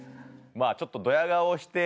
まあちょっとドヤ顔して